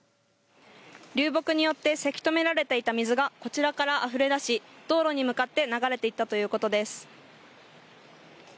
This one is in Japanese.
流木によってせき止められていた水がこちらから、あふれだし道路に向かって流れていったということです。